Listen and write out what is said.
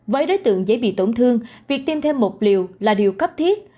với đối tượng dễ bị tổn thương việc tiêm thêm một liều là điều cấp thiết